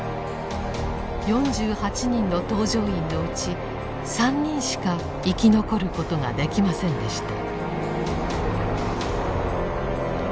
４８人の搭乗員のうち３人しか生き残ることができませんでした。